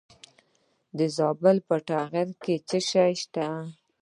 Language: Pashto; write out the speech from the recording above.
د زابل په اتغر کې څه شی شته؟